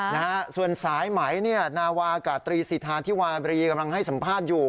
นะฮะส่วนสายไหมเนี่ยนาวากาตรีสิทธาธิวาบรีกำลังให้สัมภาษณ์อยู่